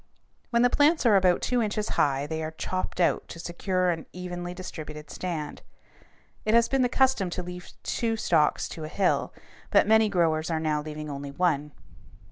When the plants are about two inches high they are "chopped out" to secure an evenly distributed stand. It has been the custom to leave two stalks to a hill, but many growers are now leaving only one.